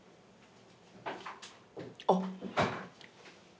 あっ。